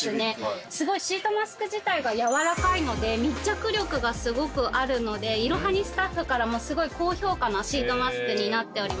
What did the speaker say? すごいシートマスク自体が柔らかいので密着力がすごくあるのでＩＲＯＨＡＮＩスタッフからもすごい高評価なシートマスクになっております。